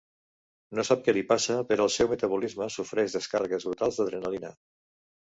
No sap què li passa però el seu metabolisme sofreix descàrregues brutals d'adrenalina.